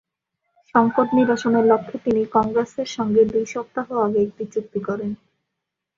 সংকট নিরসনের লক্ষ্যে তিনি কংগ্রেসের সঙ্গে দুই সপ্তাহ আগে একটি চুক্তি করেন।